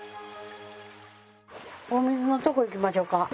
お水のとこ行きましょか。